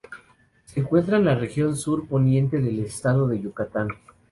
Se encuentra en la región sur poniente del estado de Yucatán.